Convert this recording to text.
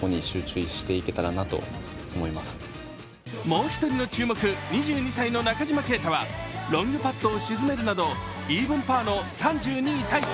もう一人の注目２２歳の中島啓太はロングパットを沈めるなどイーブンパーの３２位タイ。